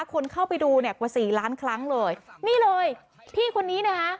คนเข้าไปดูเนี่ยกว่าสี่ล้านครั้งเลยนี่เลยพี่คนนี้นะคะ